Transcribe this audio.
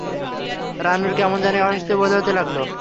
রানুর কেমন জানি অস্বস্তি বোধ হতে লাগল।